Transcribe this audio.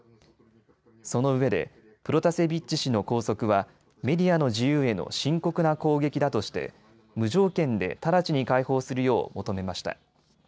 そのうえでプロタセビッチ氏の拘束はメディアの自由への深刻な攻撃だとして無条件で直ちに解放するよう求めました。